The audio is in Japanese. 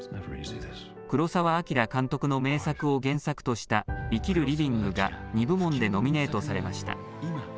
黒澤明監督の名作を原作とした、生きるＬＩＶＩＮＧが２部門でノミネートされました。